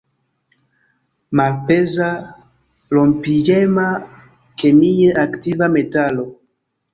Malpeza, rompiĝema, kemie aktiva metalo.